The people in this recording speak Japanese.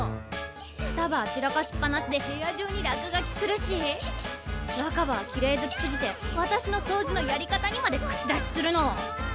双葉は散らかしっぱなしで部屋中に落書きするし若葉はきれい好きすぎて私のそうじのやり方にまで口出しするの！